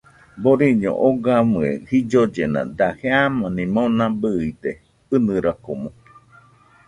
Boriño ogamɨe jillollena daje amani mona bɨide, ɨnɨrakomo